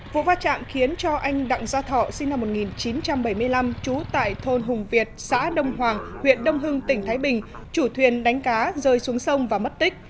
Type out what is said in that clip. vụ va chạm khiến cho anh đặng gia thọ sinh năm một nghìn chín trăm bảy mươi năm trú tại thôn hùng việt xã đông hoàng huyện đông hưng tỉnh thái bình chủ thuyền đánh cá rơi xuống sông và mất tích